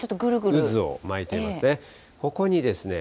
渦を巻いてますね。